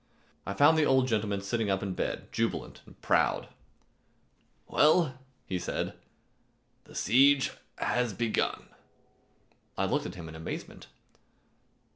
I found the old gentleman sitting up in bed jubilant and proud. "Well," he said, "the siege has begun." I looked at him in amazement.